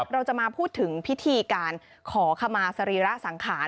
เราจะมาพูดถึงพิธีการขอขมาสรีระสังขาร